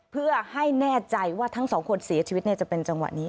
เพื่อให้แน่ใจว่าทั้งสองคนเสียชีวิตจะเป็นจังหวะนี้